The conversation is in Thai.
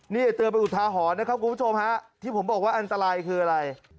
นี่เตือนไปอุทาหรณ์นะครับคุณผู้ชมฮะที่ผมบอกว่าอันตรายคืออะไร